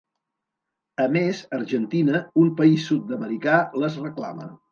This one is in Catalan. A més, Argentina, un país sud-americà, les reclama.